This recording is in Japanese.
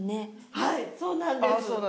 はいそうなんです！